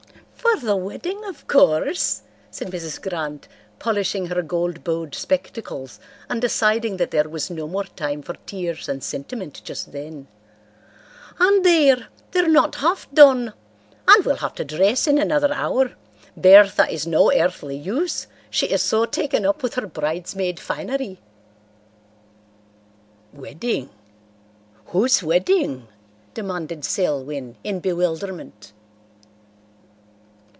"For the wedding, of course," said Mrs. Grant, polishing her gold bowed spectacles and deciding that there was no more time for tears and sentiment just then. "And there, they're not half done—and we'll have to dress in another hour. Bertha is no earthly use—she is so taken up with her bridesmaid finery." "Wedding? Whose wedding?" demanded Selwyn, in bewilderment.